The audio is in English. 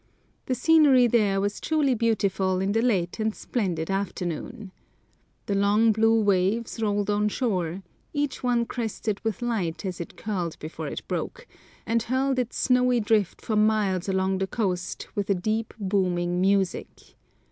The scenery there was truly beautiful in the late and splendid afternoon. The long blue waves rolled on shore, each one crested with light as it curled before it broke, and hurled its snowy drift for miles along the coast with a deep booming music.